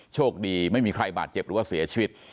โชคดีไม่มีใครบาดเจ็บหรือว่าเสียชีวิต